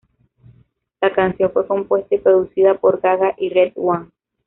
La canción fue compuesta y producida por Gaga y RedOne.